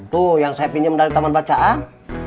tuh yang saya pinjam dari taman bacaan